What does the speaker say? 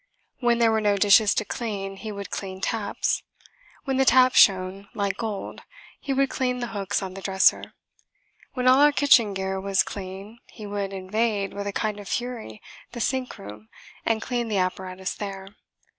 When there were no dishes to clean he would clean taps. When the taps shone like gold he would clean the hooks on the dresser. When all our kitchen gear was clean he would invade, with a kind of fury, the sink room and clean the apparatus there.